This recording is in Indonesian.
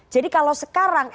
jadi kalau sekarang